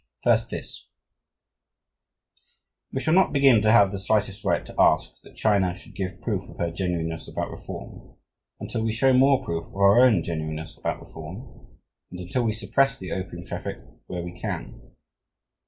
First, this: "We shall not begin to have the slightest right to ask that China should give proof of her genuineness about reform until we show more proof of our own genuineness about reform, and until we suppress the opium traffic where we can.